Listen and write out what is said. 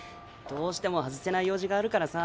どうしても外せない用事があるからさ。